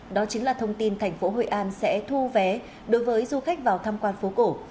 đó chính là thông tin thành phố hội an sẽ thu vé đối với du khách vào tham quan phố cổ